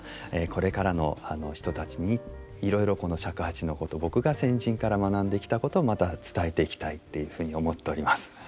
これからの人たちにいろいろこの尺八のこと僕が先人から学んできたことをまた伝えていきたいっていうふうに思っております。